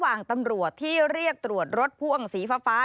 ตำรวจที่เรียกตรวจรถพ่วงสีฟ้า